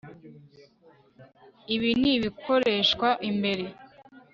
Ibi nibikoreshwa imbere